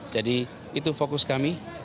jadi itu fokus kami